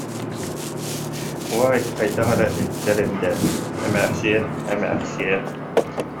Уой, хайдах эрэ иһиллэр эбит ээ, «эмээхсиэн, эмээхсиэн»